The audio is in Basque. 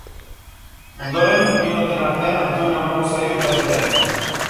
Ondoren, bi noten artean altuena emango zaio ikasleari.